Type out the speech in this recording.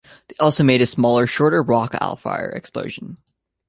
They also made a smaller, shorter Rock-afire Explosion.